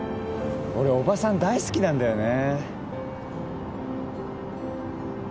俺おばさん大好きなんだよね